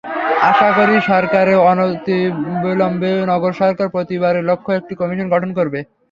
আশা করি, সরকার অনতিবিলম্বে নগর সরকার প্রতিষ্ঠার লক্ষ্যে একটি কমিশন গঠন করবে।